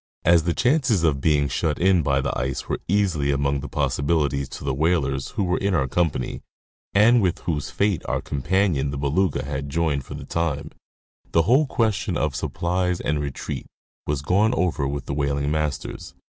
ri As the chances of being shut in by the ice were easily among the possibilities to the whalers who were in our company, and with whose fate our companion the Beluga had joined for the time, the — whole question of supplies and retreat was gone over with the whaling masters.